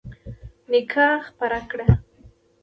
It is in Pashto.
نيکي خپره کړه.